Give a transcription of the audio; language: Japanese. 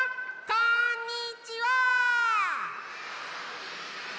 こんにちは！